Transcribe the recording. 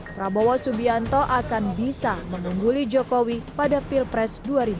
prabowo subianto akan bisa mengungguli jokowi pada pilpres dua ribu dua puluh